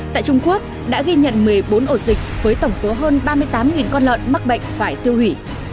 tại trung quốc đã ghi nhận một mươi bốn ổ dịch với tổng số hơn ba mươi tám con lợn mắc bệnh phải tiêu hủy